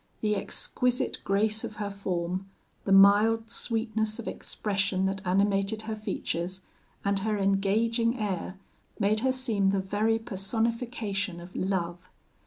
The exquisite grace of her form, the mild sweetness of expression that animated her features, and her engaging air, made her seem the very personification of love.